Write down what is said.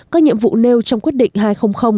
các nhiệm vụ nêu trong quyết định